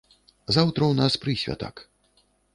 Заўтра ў нас прысвятак.